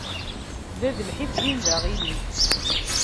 Da d lḥif, din d aɣilif.